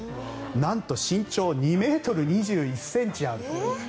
なんと身長２ｍ２１ｃｍある。